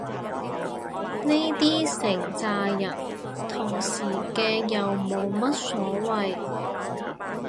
呢啲成咋人同時嘅又冇乜所謂